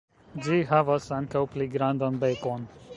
Ĝi havas ankaŭ pli grandan bekon.